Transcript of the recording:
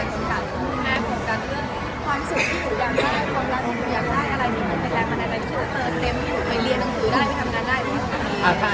มันจะต้องแม่ดูว่าใกล้บ้างใกล้บ้าง